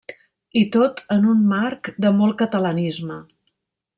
I tot en un marc de molt catalanisme.